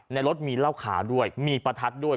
ในรถมีเหล้าขาวด้วยมีประทัดด้วย